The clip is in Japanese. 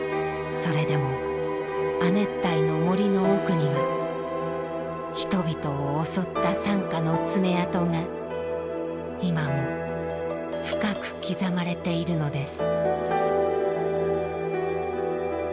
それでも亜熱帯の森の奥には人々を襲った惨禍の爪痕が今も深く刻まれているのです。